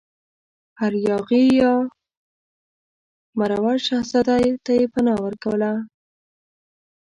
هر یاغي یا مرور شهزاده ته یې پناه ورکوله.